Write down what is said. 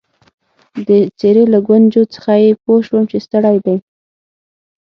د څېرې له ګونجو څخه يې پوه شوم چي ستړی دی.